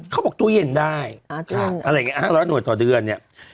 ตู้เย็นได้อะไรอย่างนี้๕๐๐หน่วยต่อเดือนเนี่ย